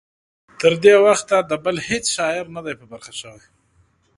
تر دې وخته د بل هیڅ شاعر نه دی په برخه شوی.